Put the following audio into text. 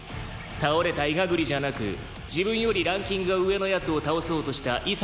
「倒れたイガグリじゃなく自分よりランキングが上の奴を倒そうとした潔世一」